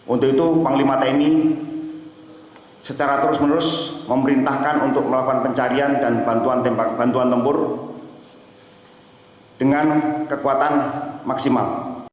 untuk itu panglima tni secara terus menerus memerintahkan untuk melakukan pencarian dan bantuan tempur dengan kekuatan maksimal